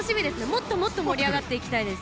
もっともっと盛り上がっていきたいです。